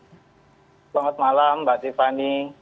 selamat malam mbak tiffany